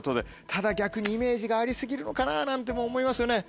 ただ逆にイメージがあり過ぎるのかななんて思いますよね。